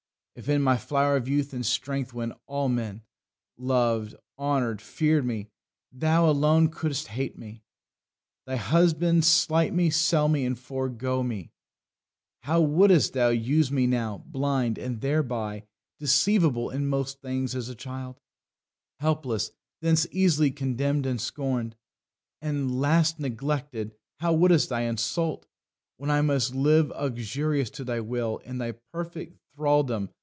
If in my flower of youth and strength, when all men Loved, honour'd, fear'd me, thou alone couldst hate me, Thy husband, slight me, sell me, and forego me; How wouldst thou use me now, blind, and thereby Deceivable, in most things as a child, Helpless, thence easily contemn'd, and scorn'd, And last neglected? How wouldst thou insult, When I must live uxorious to thy will In perfect thraldom!